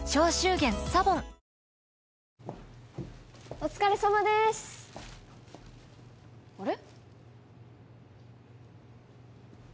お疲れさまですあれ？